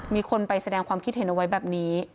มีคนไปแสดงความคิดเห็นเอาไว้แบบนี้